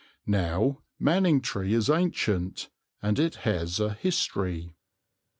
Now, Manningtree is ancient, and it has a history.